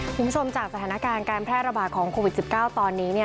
จากสถานการณ์การแพร่ระบาดของโควิด๑๙ตอนนี้